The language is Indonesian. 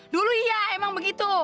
dulu iya emang begitu